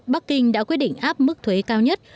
bắc kinh đã quyết định áp mức thuế cao nhất